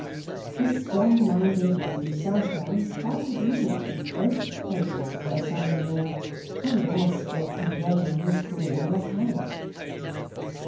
The strong minded Lady Southdown quite agreed in both proposals of her son in law, and was for converting Miss Crawley off hand.